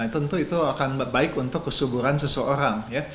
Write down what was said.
tentu itu akan baik untuk kesuburan seseorang